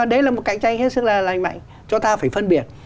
đấy là một cạnh tranh hết sức là lành mạnh cho ta phải phân biệt